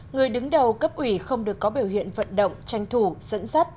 người đứng đầu cấp ủy không được có biểu hiện vận động tranh thủ dẫn dắt